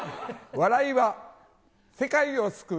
笑いは世界を救う。